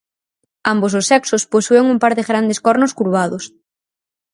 Ambos os sexos posúen un par de grandes cornos curvados.